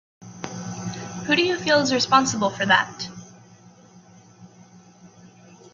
Who do you feel is responsible for that?